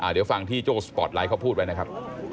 เดี๋ยวฟังที่โจ้สปอร์ตไลท์เขาพูดไว้นะครับ